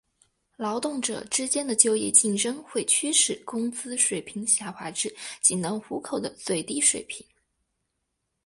劳动者之间的就业竞争会驱使工资水平下滑至仅能糊口的最低水平。